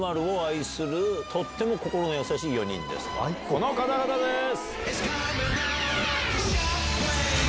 この方々です！